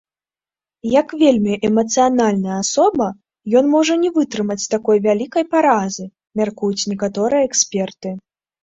Як вельмі эмацыянальная асоба, ён можа не вытрымаць такой вялікай паразы, мяркуюць некаторыя эксперты.